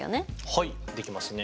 はいできますね。